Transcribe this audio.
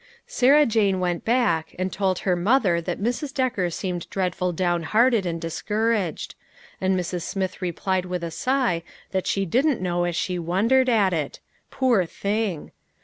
Sarah Jane went back and told her mother that Mrs. Decker seemed dreadful downhearted and discouraged; and Mrs. Smith replied with a sigh that she didn't know as she wondered a"t it; poor thing!